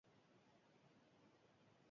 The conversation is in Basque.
Karta guztiak mahai gainean daude.